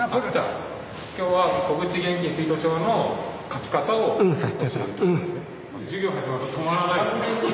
今日は小口現金出納帳の書き方を教えるんですね。